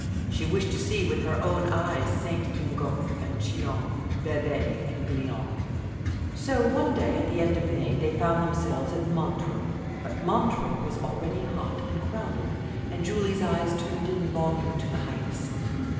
She wished to see with her own eyes St. Gingolphe and Chillon, Bevay and Glion. So one day at the end of May they found themselves at Montreux. But Montreux was already hot and crowded, and Julie's eyes turned in longing to the heights.